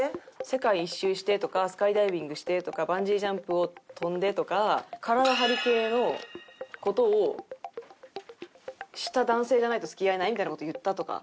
世界一周してとかスカイダイビングしてとかバンジージャンプを飛んでとか体張り系の事をした男性じゃないと付き合えないみたいな事言ったとか？